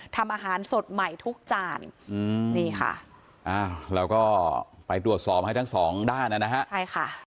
ทำอาหารสดใหม่ทุกจานอืมนี่ค่ะอ้าวเราก็ไปตรวจสอบให้ทั้งสองด้านนะฮะใช่ค่ะ